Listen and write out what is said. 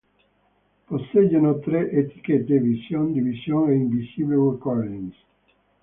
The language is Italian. Posseggono tre etichette, Vision, Division e Invisible Recordings.